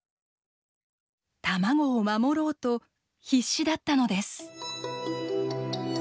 卵を守ろうと必死だったのです。